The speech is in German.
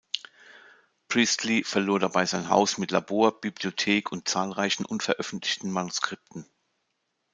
Priestley verlor dabei sein Haus mit Labor, Bibliothek und zahlreichen unveröffentlichten Manuskripten.